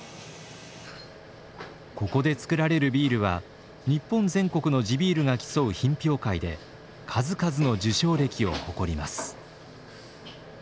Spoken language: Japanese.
ここで造られるビールは日本全国の地ビールが競う品評会で数々の受賞歴を誇ります。